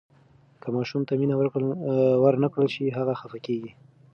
که ماشوم ته مینه ورنکړل شي، هغه خفه کیږي.